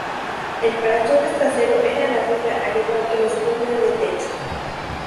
El parachoques trasero era de fibra, al igual que el spoiler del techo.